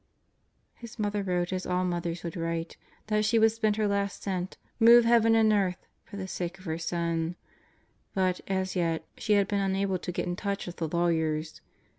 His mother wrote, as all mothers would write, that she would spend her last cent, move heaven and earth, for the sake of her son. But, as yet, she had been unable to get in touch with the lawyers.